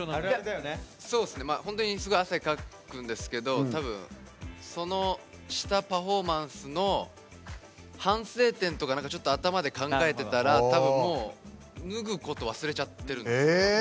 本当にすごい汗をかくんですけどたぶん、そのしたパフォーマンスの反省点とかちょっと頭で考えてたらたぶん、もう脱ぐことを忘れちゃってるんです。